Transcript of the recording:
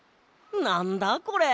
なんだこれ？